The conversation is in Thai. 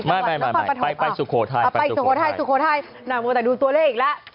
ไม่ไปสุโคทายน่าเมื่อแต่ดูตัวเลขอีกแล้ว